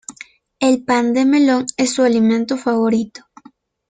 El pan de melón es su alimento favorito.